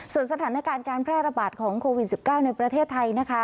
ส่วนสถานการณ์การแพร่ระบาดของโควิด๑๙ในประเทศไทยนะคะ